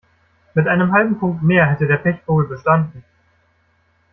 Mit einem halben Punkt mehr hätte der Pechvogel bestanden.